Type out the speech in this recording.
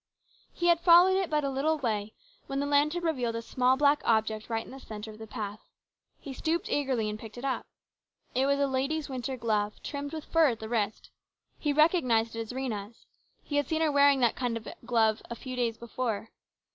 He had followed it but a little way when the lantern revealed a small black object right in the centre of the path. He stooped eagerly and picked it up. It was a lady's winter glove, trimmed with fur at the wrist. He recognised it as Rhena's. He had seen her wearing that kind of a glove a few days before.